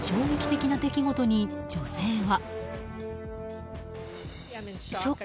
衝撃的な出来事に女性は。